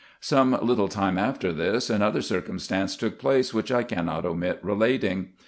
Some little time after this, another circumstance took place, which I cannot omit relating.